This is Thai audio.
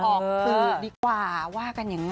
ถือดีกว่าว่ากันอย่างนั้น